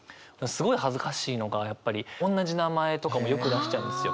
すごい恥ずかしいのがやっぱりおんなじ名前とかもよく出しちゃうんですよ。